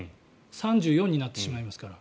３４になってしまいますから。